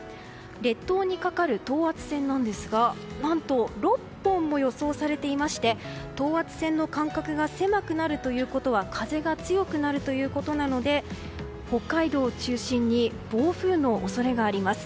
列島にかかる等圧線なんですが何と６本も予想されていまして等圧線の間隔が狭くなるということは風が強くなるということなので北海道を中心に暴風の恐れがあります。